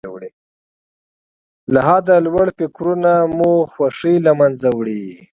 له حده لوړ فکرونه مو خوښۍ له منځه وړي.